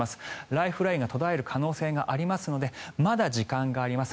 ライフラインが途絶える可能性がありますのでまだ時間があります。